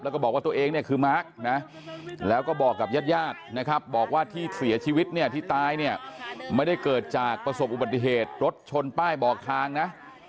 แล้วก็บอกว่าตัวเองคือมาร์คแล้วบอกกับญาติบอกว่าที่เสียชีวิตนี่ที่ตายนี่ไม่ได้เกิดจากประสบบุพธิเทศรถชนป้ายบอกทางนะ